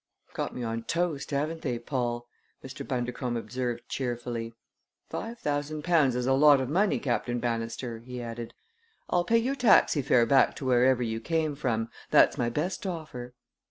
"Got me on toast, haven't they, Paul?" Mr. Bundercombe observed cheerfully. "Five thousand pounds is a lot of money, Captain Bannister," he added. "I'll pay your taxi fare back to wherever you came from. That's my best offer."